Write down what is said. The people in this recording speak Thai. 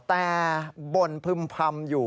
แต่บ่นพึ่มพำอยู่